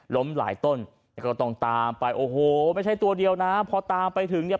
ล้มหลายต้นแล้วก็ต้องตามไปโอ้โหไม่ใช่ตัวเดียวนะพอตามไปถึงเนี่ย